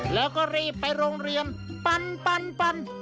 แล้วก็รีบไปโรงเรียนปัน